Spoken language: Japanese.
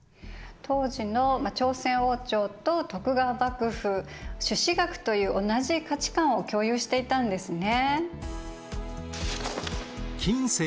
当時の朝鮮王朝と徳川幕府朱子学という同じ価値観を共有していたんですね。